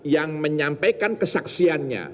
yang menyampaikan kesaksiannya